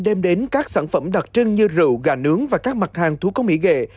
đem đến các sản phẩm đặc trưng như rượu gà nướng và các mặt hàng thú công mỹ nghệ